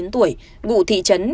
ba mươi chín tuổi vụ thị trấn